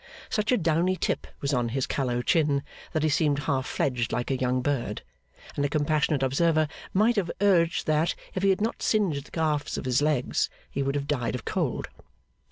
Such a downy tip was on his callow chin, that he seemed half fledged like a young bird; and a compassionate observer might have urged that, if he had not singed the calves of his legs, he would have died of cold.